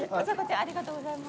ありがとうございます。